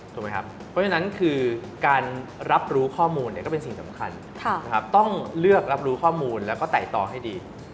เพราะฉะนั้นคือการรับรู้ข้อมูลก็เป็นสิ่งสำคัญต้องเลือกรับรู้ข้อมูลแล้วก็ไต่ตองให้ดี